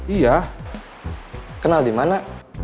iya kenal di mana